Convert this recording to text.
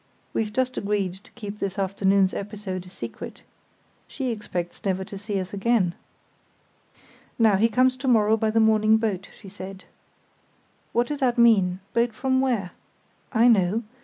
We've just agreed to keep this afternoon's episode a secret. She expects never to see us again." "Now, he comes to morrow by the morning boat, she said. What did that mean? Boat from where?" "I know.